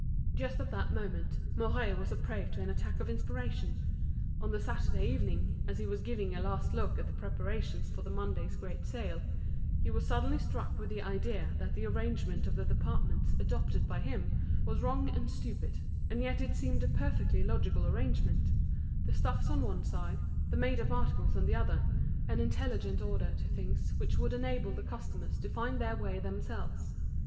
Just at that moment, Mouret was a prey to an attack of inspiration. On the Saturday evening, as he was giving a last look at the preparations for the Monday's great sale, he was suddenly struck with the idea that the arrangement of the departments adopted by him was wrong and stupid; and yet it seemed a perfectly logical arrangement: the stuffs on one side, the made up articles on the other, an intelligent order o things which would enable the customers to find their way themselves.